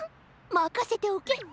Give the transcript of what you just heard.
まかせておけ！